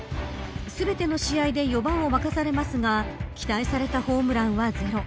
全ての試合で４番を任されますが期待されたホームランはゼロ。